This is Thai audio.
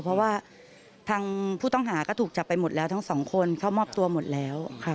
เพราะว่าทางผู้ต้องหาก็ถูกจับไปหมดแล้วทั้งสองคนเข้ามอบตัวหมดแล้วค่ะ